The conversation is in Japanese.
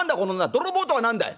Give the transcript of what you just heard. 泥棒とは何だい！